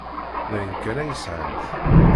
D ayen kan ay sɛant.